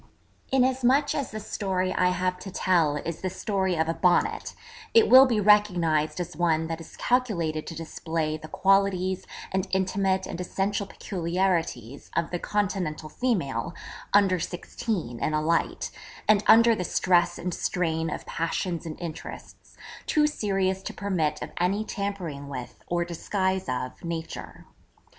_' Inasmuch as the story I have to tell is the story of a Bonnet, it will be recognised as one that is calculated to display the qualities and intimate and essential peculiarities of the 'Continental female' (under sixteen) in a light, and under the stress and strain of passions and interests, too serious to permit of any tampering with, or disguise of, nature.